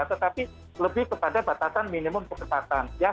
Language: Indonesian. tetapi lebih kepada batasan minimum kecepatan